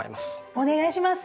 お願いします！